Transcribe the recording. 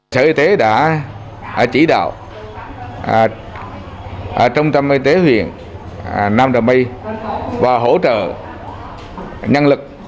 sở y tế đã chỉ đạo trung tâm y tế huyện nam trà my và hỗ trợ năng lực